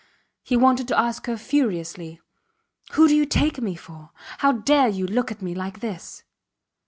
He wanted to ask her furiously: Who do you take me for? How dare you look at me like this?